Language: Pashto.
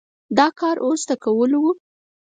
دا کار اوس د کولو و؟